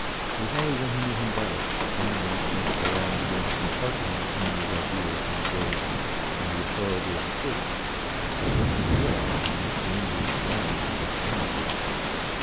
It was only when he knew him better, and when St. Cyran had begun to impart to him some of his ideas on grace and the authority of the Church, that Vincent realized on what dangerous ground he was standing.